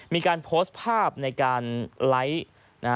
มีการโพสต์ภาพในการไลฟ์นะฮะ